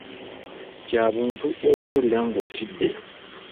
Kya buntu okuwulira ng’otidde.